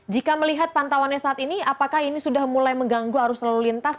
jika melihat pantauannya saat ini apakah ini sudah mulai mengganggu arus lalu lintas